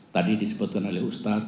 tadi disebutkan oleh ustadz